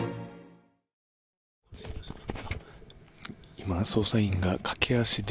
今、捜査員が駆け足で